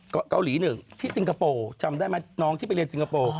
เกาหลีหนึ่งที่สิงคโปร์จำได้ไหมน้องที่ไปเรียนสิงคโปร์